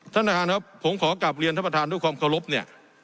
ท่านประธานครับผมขอกลับเรียนท่านประธานด้วยความเคารพเนี่ย